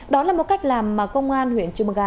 đó là một cách làm mà công an huyện chumaga